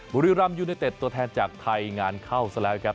บุรีรำจะตัวแทนจากไทยงานเข้าเสียแล้วนะครับ